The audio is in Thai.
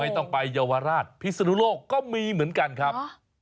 ต้องไปเยาวราชพิศนุโลกก็มีเหมือนกันครับ